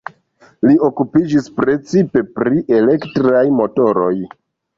Li okupiĝis precipe pri elektraj motoroj.